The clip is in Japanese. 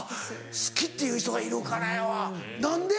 好きっていう人がいるからやわ何で？